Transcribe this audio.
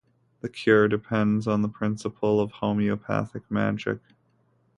The cure depends on the principle of homeopathic magic.